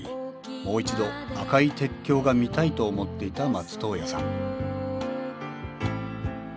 もう一度赤い鉄橋が見たいと思っていた松任谷さん